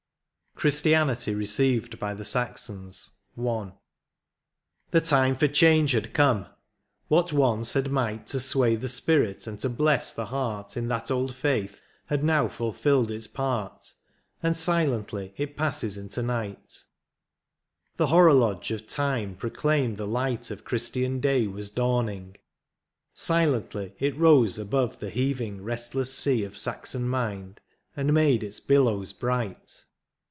23 XI. CHRISTIANITY RECEIVED BY THE SAXONS. — I. The time for change had come! what once had might To sway the spirit and to hless the heart In that old faith had now ftilfilled its part, And silently it passes into night ; The horologe of time proclaimed the light Of Christian day was dawning ; silently It rose above the heaving resdess sea Of Saxon mind, and made its billows bright.